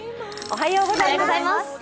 おはようございます。